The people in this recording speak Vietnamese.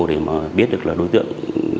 để mà biết được là đối tượng